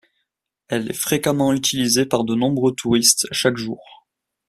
Elle est fréquemment utilisée par de nombreux touristes chaque jour.